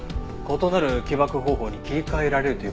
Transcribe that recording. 異なる起爆方法に切り替えられるという事か。